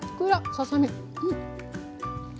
ささ身。